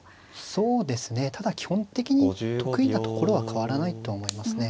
そうですねただ基本的に得意なところは変わらないと思いますね。